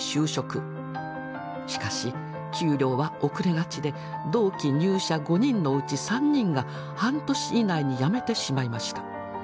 しかし給料は遅れがちで同期入社５人のうち３人が半年以内に辞めてしまいました。